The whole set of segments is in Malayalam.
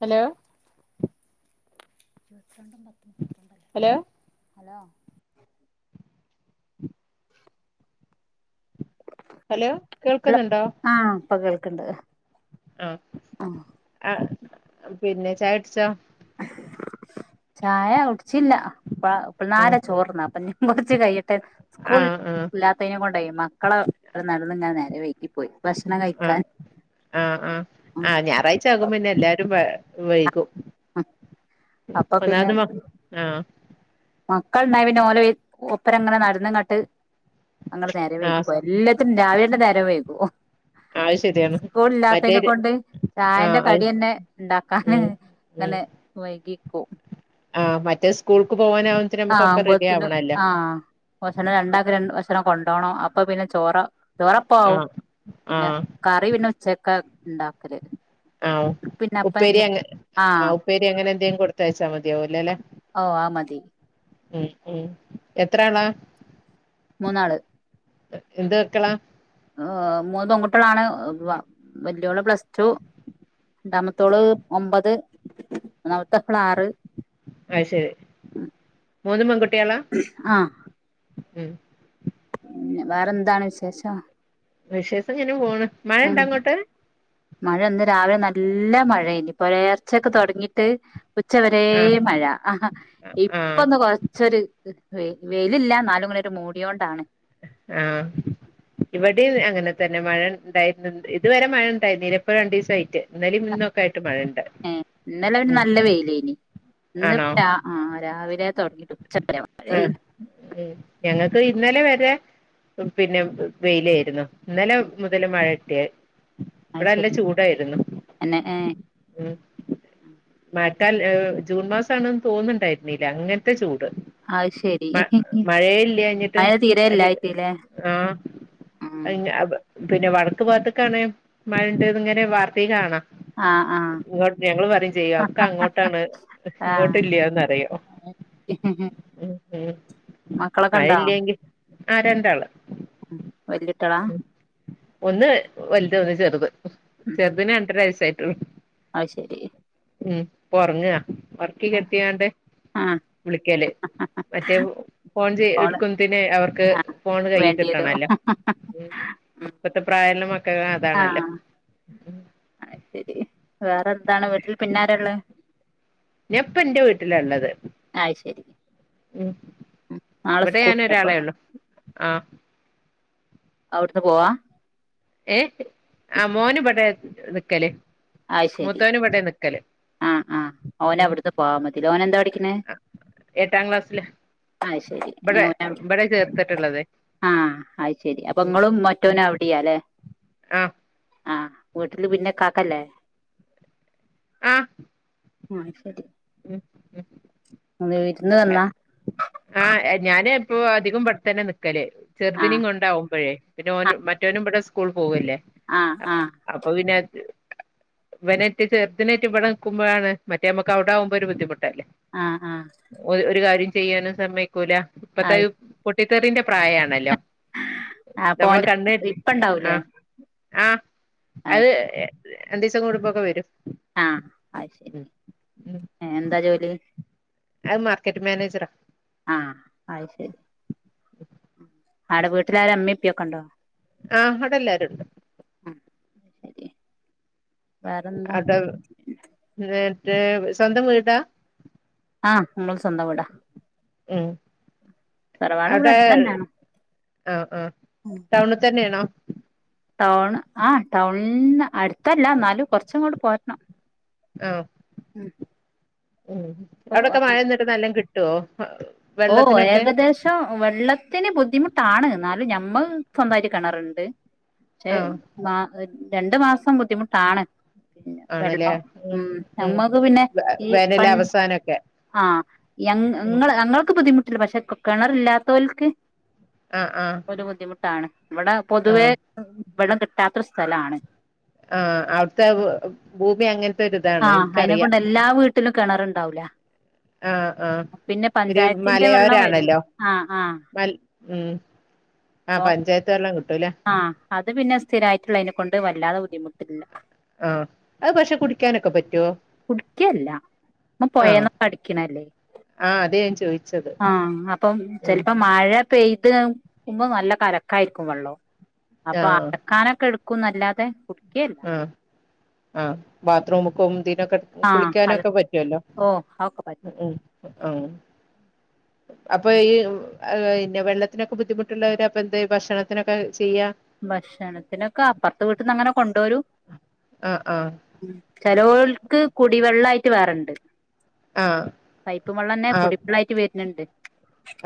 ഹലോ ഇരുപത്തിരണ്ടും പത്ത് മുപ്പത്ത ഹലോ ഹലോ ഹലോ കേൾക്കുന്നുണ്ടോ ഉണ്ട് ആ ആ പിന്നെ ചായടിച്ചോ ചായ കുടിച്ചില്ല ആഹ് ഇപ്പാളെ ചോർന്ന അപ്പൊ കൊറാച്ചെ കയിയട്ടെ റ്റ് സ്കൂൾ ആഹ് ആഹ് ഇല്ലാത്തേയനെകൊ ണ്ടേ മക്കളെ നടന്ന് ഞാനെ [unintelligible] നേരെ പോയി ഭക്ഷണം ആ കഴിക്കാൻ ആ ആ ആ ഞായറായ്ച്ച ആകുമ്പിന്നെല്ലാരും വൈകും അപ്പൊ ഒന്നാത് മക് ആ മക്കൾണ്ടായാ പിന്നെ ഓലോ ഒപ്പരങ്ങനെ നടന്നുങ്ങട്ട് അങ്ങടെ നേര വീക്കി ആഹ് പോ എല്ലാത്തിനും രാവിലെതെ നേരേ വൈകും അത് ശരിയാണ് സ്കൂൾ മറ്റേ ഇല്ലാത്തേനെകൊണ്ട് ചായേന്റെ ആഹ് അത് കടി തന്നെ ഉണ്ടാക്കാനെ ഉം അങ്ങനെ വൈകിക്കോ ആ മറ്റേ സ്കൂൾ കു ആ അമ്പത്തി നും ആ വഷന രണ്ടാ വഷനാ കൊണ്ട് ണ്ടോണോ അപ്പം പിന്നെ ചോറെ ചോറെപ്പാ ആവും ആഹ് പിന്നെ ആഹ് കറി പിന്നെ ചെക്ക ഉണ്ടാക്കലെ ആ ഉപ്പേരി അങ്ങെ ആ ആഹ് ഉപ്പേരി അങ്ങനൊക്കെ അങ്ങെ കൊടുത്തയാച്ചാൽ മതിയോ അല്ലെല്ലെ ഓ ആ മതി ഉം ഉം എത്ത്രാളാ മൂന്നാളെ എന്തെക്കുണു ഏ മൂന്നെ പെങ്കുട്ടികളാണ് വാ വല്യോള് പ്ലസ് ടു രണ്ടാമത്തോളെ ഒമ്പത് ഒന്നാമത്താളെ ആറ് അ ശരി മൂന്നും പെങ്കുട്ട് ആ ഉം വേറെന്താണ് വിശേഷം വിശേഷം ഇങ്ങനെ പോണു മയോ ഉം ണ്ടോ അങ്ങോട്ടെ മഴ ഇന്നെ രാവിലെ നല്ല മയേരുന്നു പൊലർച്ചെക്കെ തൊടങ്ങീട്ട് ആഹ് ഉച്ചവരേം മഴ ആ ആഹ് ഇപ്പൊന്ന് കൊര ച്ചൊരു വെയിലില്ല നാലു മണി വരെ മൂടിയോണ്ടാണ് ആ ഇവിടേം അങ്ങനെ തന്നെ മഴ ഉണ്ടായി ഇതുവരെ മഴ ഉണ്ടായിരുന്നു ഇപ്പോ രണ്ടീസായിട്ട് എന്നാലും ഇന്നൊക്കെ മഴണ്ട് ഉം ഇന്നലെ പിന്നെ ഉം നല്ല വെയിലേ നെ ഇന്ന് ആണോ ആ രാവിലെ [unintelligible] തുൊടങ്ങിട്ട് ഉച്ചഴ പ്പ ഇന്നലെ വരെ പിന്നെ വെയിലാ രുന്നു ഇന്നലെ മുതലെ മഴ അത് ഇവിടെ നല്ല ശരി ചൂടായിരുന്നു തന്നെ ഏഹ് മാറ്റാൽ ജൂൺ മാസാണെന്ന് തോന്നുന്നുണ്ടായിരുന്നില്ല അങ്ങനത്തെ ചൂട് അത് ശരി മ മഴേല്ലാഞ്ഞിട്ടെ മഴ തീരെ അര ഇല്ലായിട്ടില്ലേ ആ ഉം [inaudible] പിന്നെ വടക്ക് ഭാഗത്തക്കണെ മഴയിണ്ടന്ന ഇങ്ങനെ വാർത്തലേ കാണാം ആഹ് ആഹ് ഇങ്ങോട്ട് ഞങ്ങള് പറയും ചെയ്യാം ഒക്കെ അങ്ങോട്ടാണ് ഇങ്ങോട്ട് ആഹ് ഇല്ലന്ന് പറയും ഉം ഉം മക്കളൊക്കെ മഴയില്ലെങ്കിൽ ആ രണ്ടാളും വല്ലി കുട്ടികളാ ഒന്ന് വലുത ഒന്ന് ചെറുത് ചെറുതെ രണ്ടരാവയസ്സായിട്ടുള്ളു ആയ് ശരി ഉം ഉറങ്ങാ ഉറക്കികടത്തിക്കാണ്ട് ആഹ് വിളിക്കല് മറ്റേ ഫോൺ ചെയ ഓള് എടുക്കുന്നതിന് അവർക്ക് ആഹ് ഫോൺ വേണ്ടിവരും കയ്യികിട്ടണല്ലോ ഉം ഇപ്പത്തെ പ്രായല്ല മക്കൾ അതാണല്ലോ ആയ് ശരി വേറെ എന്താണ് വീട്ടിൽ പിന്നാരള്ളത് ഞാൻ ഇപ്പംഎൻറെ വീട്ടില ഉള്ളത് അത് ശരി ഉം ഉം. നാളെ ഇവിടെ ഞാനൊ സ്കൂൾണ്ടപ്പൊ ഒരാളെ ഉള്ളു ആ അവിടുന്ന് പോവാ ഏ ആ സ് മോന് ഇപടയ നിക്കല്ലേ മുത്തോന ഇപടയ നിക്കി ആ ആ ഓന് അവിടുത്ത് പോവാൻ മതില്ല ഓന എന്താ പണി എട്ടാം ക്ലാസില് അത് ശരി ഇവിടെ ഇവിടെ ചേർത്തിട്ടുള്ളത്. ആ അത് ശെരി അപ്പൊ നിങ്ങളും മറ്റോനും അവിടെയാല്ലെ ആ ആ വീട്ടില് പിന്നെ കാക്കല്ലേ ആ ആഹ് ശരി ഉം ഉം അതെ വീരുന്ന വന്നാ ആ ഞാൻ ഇപ്പൊ അധികം ഇപെട്ട തന്നെ നിക്കൽ ചെറുതിന ആഹ് കേണ്ടാവുമ്പോഴേ പിന്നെ ഓന മറ്റോനും ഇവിടെ സ്കൂളിപോവല്ലേ ആഹ് അ ആഹ് അപ്പൊ പിന്നെ അത് ഇവനെ ഇട്ടിട് ചെറുതിനനായിറ്റ് ഇവിടെ നിക്കുമ്പോഴാണ് മറ്റേ നമ്മുക്ക് അവിടെ ആവുമ്പോ ഒരു ബുദ്ധിമുട്ട് ആഹ് ആഹ് ഒരു കാര്യം ചെയ്യാനും സമ്മയക്കൂല ഇപ്പത്തെ അത് ഒ പൊട്ടിത്തെറിന്റെ പ്രായമാണല്ലോ അപ്പൊ നമ്മൾ ഓന്റെ കണ്ണ് ഇപ്പ ആ ഇണ്ടാവൂലേ ആ അത് രണ്ട ദിവസം കൂടുമ്പൊക്കെ വരും ആ അയ് ശരി ഉം ഉം ഏ എന്താ ജോലി അത് മാർക്കറ്റ് മാനേജറാ ആഹ് അത് ശരി ആടെ വീട്ടിലര ഇമ്മ ഉപ്പിയൊക്കെ ഉണ്ടോ ആ അവിടെ എല്ലരുണ്ട് ആ ശരിയ അതാ എന്നിട്ട് സ്വന്തം വീടാ ആ നമ്മൾ സ്വന്തം വീട് ആ ഉം അവിടെ ആ ആ ടൗണിൽ തന്നെയാണോ ടൗണ് ആ ടൗണന്ന് അടുത്തല്ല എന്നാലും കൊറച്ചും ഇങ്ങോടും പോരണം. ആ ഉം ഉം അവിടൊക്കെ മഴന്നിട്ട് നല്ലാം കിട്ടുവോ ഓ വെള്ളത്തിനൊക്കെ ഏകദേശം വെള്ളത്തിന് ബുദ്ധിമുട്ടാണ് എന്നാലും ഞമ്മ സ്വന്താ കിണറുണ്ട് പക്ഷെ ആഹ് [inaudible] രണ്ടു മാസം ബുദ്ധിമുട്ടാണ് പിന്നെ വെള്ളം ഉം നമ്മക്ക് പിന്നെ ഈ വേനല് അവസാനൊക്കെ ആ ഉം ങ്ങ ഞങ്ങൾക്ക് ബുദ്ധിമുട്ടില്ല പക്ഷെ കിണറല്ലാത്തോൽക്ക് ആ ആ താണ് ഇവിടെ പൊതുവേ വെള്ളം കിട്ടാത്തൊരു സ്ഥലാണ് ആ അവിടുത്തെ ഭൂമി അങ്ങനത്തെ ഒരിതാണ് എനിക്കറിയാം കിണറുണ്ടാവുല് ആഹ് ആഹ് [inaudible] വെള്ളം മലയോരാണല്ലോ വരുണ്ട് ആഹ് ആഹ് ഉം പഞ്ചായ - ആ അത് പിന്നെ സ്ഥിരായിട്ടുള്ളയ്നെ കൊണ്ട് വല്ലാതെ ബുദ്ധിമുട്ടില്ല ആ അത് പക്ഷെ കുടിക്കാനൊക്കെ പറ്റോ കുടിക്ക്യല്ല അത് പോയേന്നൊക്കെ അടിക്കണല്ലേ ആ അതേ ഞാൻ ചോദിച്ചത് ആ അപ്പം ഉം ചിലപ്പം മഴ മഴ പെയ്ത്ക്കുമ്പോ നല്ല കലക്കായിരിക്കും വള്ളം ആ അപ്പൊ അലക്കാനൊക്കെ എടു- ക്കും ന്നല്ലാതെ കുടി - ആ ആ ബാത്ത്റൂമ്ക്കും ദിനൊക്കെ ആഹ് അത് കുളിക്കാനൊക്കെ പറ്റുവല്ലോ ഓഹ് അതൊക്കെ പറ്റും ഉം ആഹ [inaudible] അപ്പൊ ഈ പിന്നെ വെള്ളത്തിനൊക്കെ ബുദ്ധിമുട്ടുള്ളവര് അപ്പൊ എന്താ ഭക്ഷണത്തിനൊക്കെ ചെയ്യാ ഭക്ഷണത്തിനൊക്കെ അപ്പുറത്തെ വീട്ട്ന്ന് അങ്ങനെ കൊണ്ടോരും ആ ആ ചെലോൽക്ക് കുടിവെള്ളായിട്ട് വേറണ്ട് ആ പൈപ്പ് വെള്ളന്നെ കുടിവെള്ളായിട്ട് വര്ന്ന്ണ്ട്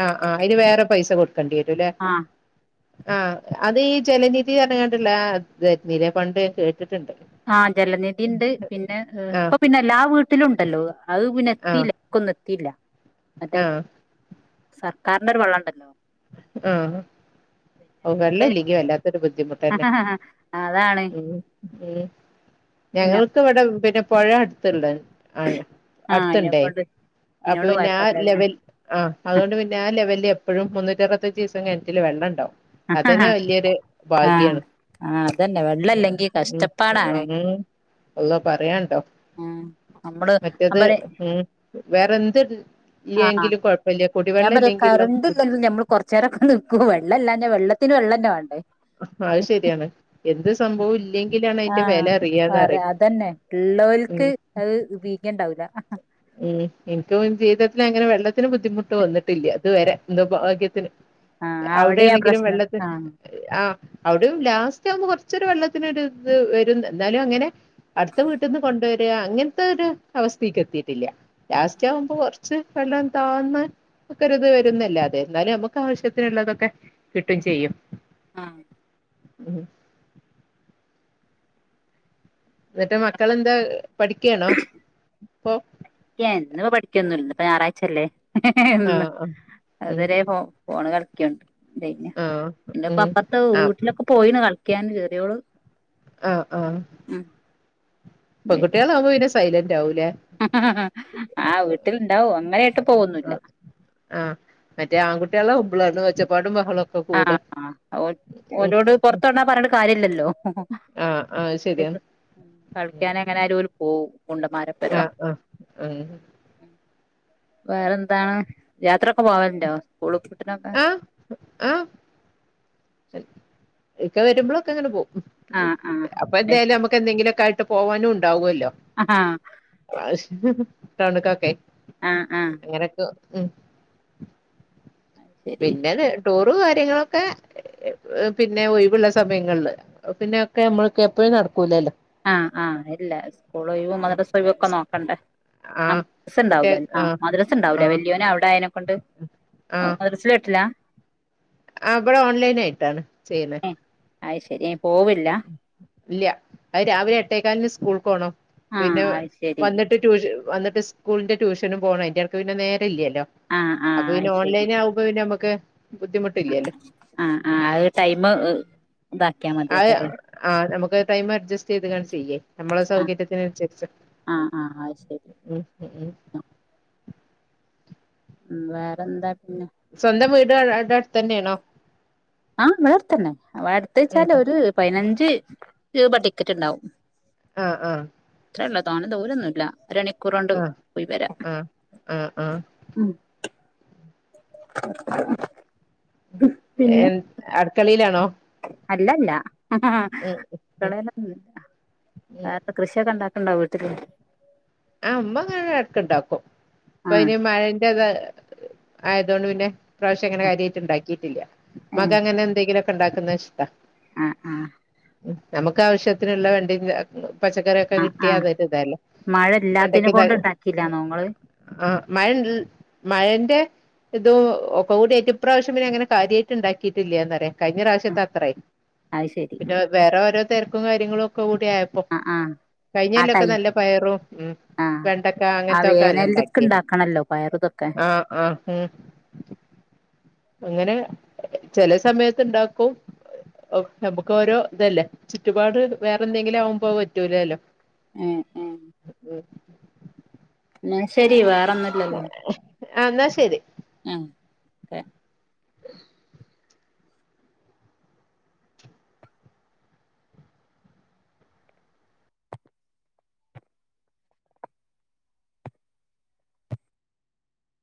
ആഹ ആഹ് അയിന് വേറെ പൈസ കൊടുക്കണ്ടി വരുംല്ലെ ആഹ് ആ അത് ഈ ജലനിധി ന്നർഞ്കാണ്ട്ള്ളെത് വന്നില്ലേ പണ്ട് കേ - ആ ജലനിധിണ്ട് പിന്നെ ആ ഇപ്പൊ പിന്നെ ല്ലാ വീട്ടിലും ഉണ്ടല്ലോ അത് പിന്നെ ആ എത്തീല്ല ക്കൊന്നും എത്തിയില്ല മറ്റേ ആ സർക്കാരിന്റെ ഒരു വള്ളംണ്ടല്ലോ ആ വെള്ള അത് ഇല്ലെങ്കി വല്ലാത്തൊരു ബുദ്ധിമുട്ടന്നെ അതാണ് ഉം ഉം പിന്നെ ഞങ്ങൾക്ക് ഇവിടെ പിന്നെ പുഴ അടുത്തുള്ള ആ ആഹ് അടുത്ത്ണ്ടേ അയിനെക്കൊണ്ട് അപ്പൊ അയിനോട് പിന്നെ ആ കൊഴപ്പല്ലല്ലേ ലെവൽ ആഹ് അതുകൊണ്ട് പിന്നെ ആ ലെവല് എപ്പോഴും മുന്നൂറ്റി അറുത്തഞ്ച് ദിവസം കിണറ്റില് വെള്ളം ഉണ്ടാവും അതന്നെ വല്യ ആഹ അതന്നെ വെള്ളല്ലെങ്കി കഷ്ടപ്പാടാണ് അള്ളോ പറയാണ്ടോ ഉം നമ്മള് ഞാൻ മറ്റത് പറയും ഉം വേറെന്ത് ആഹ് ഇല്ലേങ്കിലും കൊഴപ്പല്ല കുടിവെള്ളം ഇല്ലെങ്കിള്ള ബു- കുറച്ചേരൊക്കെ നിക്കൂ വെള്ളല്ലാഞ്ഞാ വെള്ളത്തിന് വെള്ളം തന്നെ വേണ്ടേ അത് ശരിയാണ് എന്ത് സംഭവും ഇല്ലെങ്കിലാണ് അതിന്റെ ആഹ് വില അറിയാന്ന് അറി വേറെ അതന്നെ അത് ഇള്ളോൽക്ക് അയ് ബീഗ്യം ണ്ടാവൂല ഉം ഇൻക് ജീവിതത്തില് അങ്ങനെ വെള്ളത്തിന് ബുദ്ധിമുട്ട് വന്നിട്ടില്ല ഇത് വരെ എന്തോ ഭാഗ്യത്തിന് ആഹ് അവിടിം ആ അവിടെണെങ്കിലും പ്രശ്നം വെള്ളത്തി ആഹ് ആഹ അവിടെയും ലാസ്റ്റ് ആവുമ്പോ കൊറച്ചൊരു വെള്ളത്തിന് ഒര് ഇത് വരും എന്നാലും അങ്ങനെ അടുത്ത വീട്ടിൽ നിന്ന് കൊണ്ടുവരിക അങ്ങനത്തെ ഒരു അവസ്ഥക്ക് എത്തിട്ട് ഇല്ല ലാസ്റ്റ് ആവുമ്പോ കുറച്ച് വെള്ളം താന്ന് ഒക്കരുത് വരുന്നല്ലാതെ എന്നാലും നമുക്ക് ആവശ്യത്തിനുള്ളതൊക്കെ കിട്ടും ചെയ്യും ആഹ ഉം എന്നിട്ട് മക്കളെന്താ പഠിക്കാണോ ഇപ്പൊ എന്നുപ്പോ പഠിക്കൊന്നുംഇല്ല ഇപ്പ ഞായറാഴ്ചല്ലേ ഹിഹി എന്നും ആഹ് ആഹ് ഉം ഇതരെ ഫോ- ഫോണ് കളിക്ക്യണ് എന്ത പിന്നെ ആഹ് ഇന്നിപ്പോ ഉം അപ്പറത്തെ ആഹ് വീട്ടിലൊക്കെ പോയിണ് കളി- ക്ക്യൻ ചെറിയൊള് ആഹ ആഹ പെൺകുട്യാളാവുമ്പോ പിന്നെ സൈലന്റ് ആവൂലേ ഹ്ഹ ഹ ആ വീട്ടിലുണ്ടാവും അങ്ങനെട്ടും ആ ആ മറ്റേ ആൺകുട്ടികളാവുമ്പാണ് ഒച്ചപ്പാടും ബഹ- ആഹ ആ ഉം ഓരോട് പൊറത്തൊണ്ടാ പറഞ്ഞ്ട്ട് കാര്യല്ലല്ലോ ആഹ് ആഹ് ശരിയാണ് കളിക്കാന് എങ്ങനെ ആയാലും ഓര് പോവും ആ ഗുണ്ടന്മാരെപ്പരം ആ ആ വേറെന്താണ് യാത്രയൊക്കെ പോവൽണ്ടോ സ്കൂൾ പൂട്ടിനൊക്കെ ആഹ് ആഹ് ഇക്ക വരുമ്പോഴൊക്കെ അങ്ങനെ പോവും ആഹ് ആഹ് അപ്പൊ എന്തായാലും നമ്മക്ക് എന്തെങ്കിലുമൊക്കെ ആയിട്ട് പോവാനും ണ്ടാവുല്ലോ ആഹ് തണുക്കൊക്കെ ആഹ് ആഹ് ഉം അത് ശരി പിന്നെ ടൂറ് കാര്യങ്ങളൊക്കെ പിന്നെ ഒഴിവുള്ള സമയങ്ങളില് പിന്നെക്കേ നമ്മൾക്ക എപ്പഴും നടക്കൂലല്ലോ ആഹ് ആഹ് ഇല്ല സ്കൂളും ഉം മദ്രസ ഒക്കെ നോക്കണ്ടേ ആഹ് മ്ദ്രസ ഉണ്ടാവലേ ആഹ് മദ്രസ ഉണ്ടാവൂല ആഹ് വല്യോനെ അവിടെ ആയതിനെക്കൊണ്ട് മദ്രസൽ ഇല്ല ആ ഇവിടെ ഓൺലൈൻ ആയിട്ടാണ് ചെയ്യണേ ഏഹ് അത് ശരി പോവില്ല ഇല്ല അത് രാവിലെ എട്ടേക്കാല്ന് സ്കൂൾക്ക് പോണം ആഹ് പിന്നെ അത് ശരി വന്നിട്ട് ട്യൂഷ വന്നി സ്കൂളിന്റെ ട്യൂഷനും സ്കൂളിൽ ടുഷനും പോകണം അതിന്റെർക്ക് പിന്നെ നേരം ഇല്ലല്ലോ ആഹ് ആഹ് അപ്പൊ പിന്നെ അത് ശരി ഓൺലൈൻ ആകുമ്പോ പിന്നെ നമുക്ക് ബുദ്ധിമുട്ടില്ലല്ലോ ആഹ് ആഹ് അത് ടൈം ഇതാക്കിയാ മതിയല്ലോ അത് അല്ലേ ആഹ് നമുക്ക് ടൈം അഡ്ജസ്റ്റ് ചെയ്ത് ആണം ചെയ്യേ നമ്മളെ ആഹ് സൗകര്യത്തിനനുസരിച്ച് ആഹ് ആഹ് അത് ശരി ഉം ഉം ഉം ഉ വേറെന്താ പിന്നെ സ്വന്തം വീട് അടുത്ത് തന്നെയണോ ആഹ് ഇവിടെ അടുത്ത് തന്നെ വടുത്ത വച്ചാല് ഒരു പതിനഞ്ച് രൂപ ടിക്കറ്റ് ഉണ്ടാവും ആഹ് ആഹ് അത്രല്ല തോന്നേ ദൂരൊന്നുല്ല ഒരു മണിക്കൂറ് കൊണ്ട് ആഹ് പോയി വരാം ആഹ് ആഹ് [inaudible] പിന്നെ അടുക്കളിയിലാണോ അല്ലല്ല ഉം ഉം അടുക്കളയിൽ ഉം അല്ല കൃഷിയൊക്കെ ഉണ്ടാക്ക ഉണ്ടോ വീട്ടില് ആഹ് അമ്മ അങ്ങ ഇടക്ക ഇണ്ടാക്കും അപ്പം ആഹ് ഇനി മഴ ഇത്‌ ആയതൊണ്ട് പിന്നെ ഈ പ്രാവശ്യാം അങ്ങനെ കാര്യമായിട്ട് ഉണ്ടാക്കിയിട്ടില്ല ഏഹ് ഉമ്മാക്ക് അങ്ങനെ എന്തെങ്കിലുംക്കെ ഉണ്ടാക്കുന്ന ഇഷ്ടാ ആഹ് ആഹ് നമുക്ക് ആവശ്യത്തിനുള്ള വേണ്ടി ഉണ്ടാക്കുണ് പച്ചക്കറിയൊക്കെ ആഹ് കിട്ടിയാ ആഹ് അത് ഒരിതല്ലേ മഴ ഇല്ലാത്തിനെ പണ്ടക്കെ കൊണ്ട് ഉണ്ടാക്കില്ലാന്നോ ഇങ്ങള് ആഹ് മഴ മഴന്റെ ഇതും ഒക്ക കൂടി ഏറ്റവുംപ്രാവശ്യം പിന്നെ അങ്ങനെ കാര്യമായിട്ട് ഉണ്ടാക്കിയിട്ടില്ലാ പറേ കഴിഞ്ഞ പ്രാവശ്യത്തെ അത്രയും അത് ശെരി പിന്നെ വേറെ ഓരോ തിരക്കും കാര്യങ്ങളും ഒക്കെ തി ക്ക്ക്കൊ ആയപ്പോ ആഹ് ആഹ് ആ കഴിഞ്ഞല്ലൊക്കെ ടൈം നല്ല പയറും ഉം ആഹ് വെണ്ടക്ക ആ അങ്ങനത്തെൊക്കെ അല്ല വേനൽക്ക് ഇണ്ടാക്കിയും ഇണ്ടാക്കണല്ലോ പയറുതൊക്കെ ആഹ് ആഹ് ഉം അങ്ങനെ ചില സമയത്ത് ഉണ്ടാക്കും ഓ നമുക്ക് ഓരോ ഇതല്ലേ ചുറ്റുപാട് വേറെ എന്തെങ്കിലും ആകുമ്പോ പറ്റൂലല്ലോ ഏഹ് ഏഹ് ഉം എന്ന ശരി വേറെൊന്നുംല്ലല്ലോ ആ എന്നാ ശരി ആഹ് ഒക്കെ